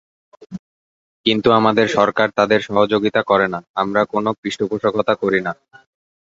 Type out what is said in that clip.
কিন্তু আমাদের সরকার তাদের সহযোগিতা করে না, আমরা কোনো পৃষ্ঠপোষকতা করি না।